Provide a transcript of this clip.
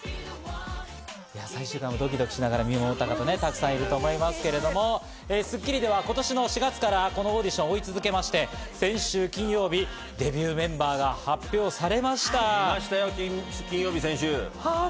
最終回もドキドキしながら見守った方、たくさんいると思いますが、『スッキリ』では今年の４月からオーディションを追い続け、先週金曜日、デビューメンバーが発表されました。